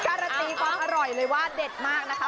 การันตีความอร่อยเลยว่าเด็ดมากนะคะ